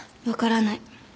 わからない。